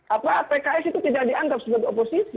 apa pks itu tidak dianggap sebagai oposisi